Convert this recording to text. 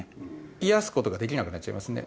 冷やすことができなくなっちゃいますよね。